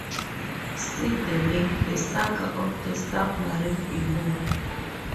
See the link "The Saga of the Submarine" below.